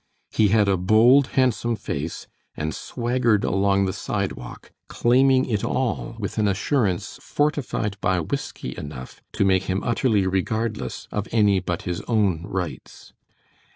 He had a bold, handsome face, and swaggered along the sidewalk, claiming it all with an assurance fortified by whisky enough to make him utterly regardless of any but his own rights.